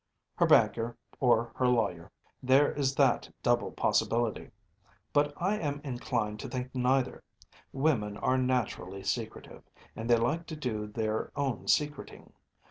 ‚ÄĚ “Her banker or her lawyer. There is that double possibility. But I am inclined to think neither. Women are naturally secretive, and they like to do their own secreting.